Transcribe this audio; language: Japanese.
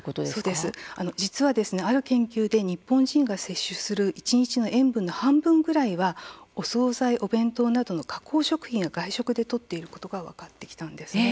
実はある研究で日本人の摂取する一日の塩分の半分ぐらいはお総菜、お弁当などの加工食品や外食でとっていることが分かってきたんです。